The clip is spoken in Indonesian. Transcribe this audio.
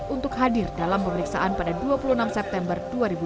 untuk hadir dalam pemeriksaan pada dua puluh enam september dua ribu dua puluh